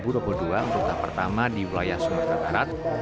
ruta pertama di wilayah sumatera barat